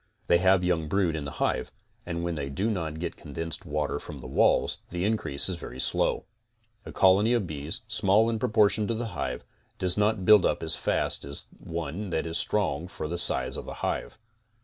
They have young brood in the hive and when they do not get condensed water from the walls the increase is very slow. A colony of bees, small in proportion to the hive, does not build up as fast as one that is strong for the size of the hive.